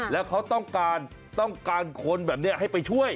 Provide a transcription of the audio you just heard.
แล้วเขาต้องการต้องการคนแบบนี้ให้ไปช่วย